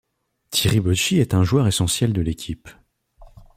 Tiribocchi est un joueur essentiel de l'équipe.